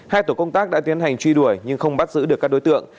hai tổ công tác đã tiến hành truy đuổi nhưng không bắt giữ được các đối tượng